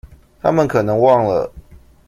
她們可能忘了